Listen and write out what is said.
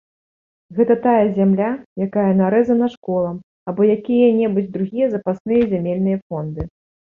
Гэта тая зямля, якая нарэзана школам, або якія-небудзь другія запасныя зямельныя фонды.